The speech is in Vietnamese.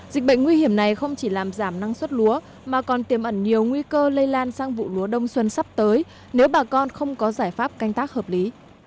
dịch bệnh nguy hiểm này không chỉ làm giảm năng suất lúa mà còn tiềm ẩn nhiều nguy cơ lây lan sang vụ lúa đông xuân sắp tới nếu bà con không có giải pháp canh tác hợp lý